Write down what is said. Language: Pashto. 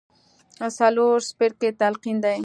څلورم څپرکی تلقين دی.